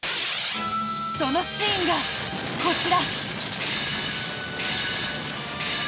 そのシーンが、こちら。